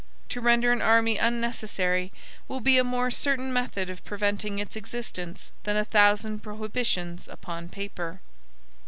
To render an army unnecessary, will be a more certain method of preventing its existence than a thousand prohibitions upon paper.